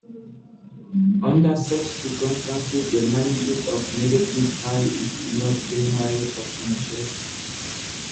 Under such circumstances the magnitude of negative Ri is not generally of interest.